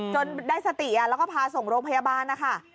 ได้สติแล้วก็พาส่งโรงพยาบาลนะคะ